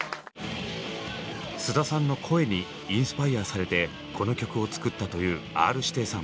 菅田さんの声にインスパイアされてこの曲を作ったというＲ−指定さん。